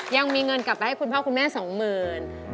ยังมีเงินกลับไปให้คุณพ่อคุณแม่สองหมื่น